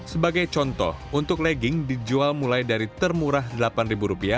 sebagai contoh untuk legging dijual mulai dari termurah rp delapan